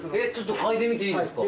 嗅いでみていいですか？